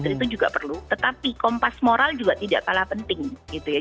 itu juga perlu tetapi kompas moral juga tidak kalah penting gitu ya